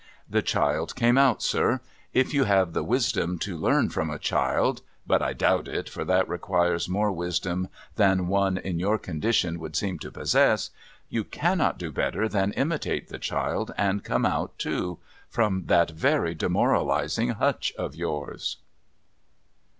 The child came out, sir. If you have the wisdom to learn from a child (but I doubt it, for that requires more wisdom than one in your condition would seem to possess), you cannot do better than imitate the child, and come out too — from that very demoralising hutch of yours.'